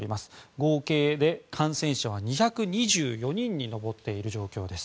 合計で感染者は２２４人に上っている状況です。